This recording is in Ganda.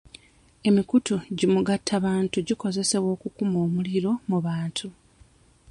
Emikutu gimugattabantu gikozesebwa okukuma omuliro mu bantu.